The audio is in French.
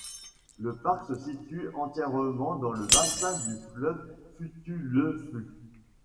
Le parc se situe entièrement dans le bassin du fleuve Futaleufú.